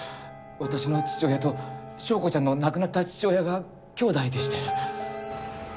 私の父親と祥子ちゃんの亡くなった父親が兄弟でして。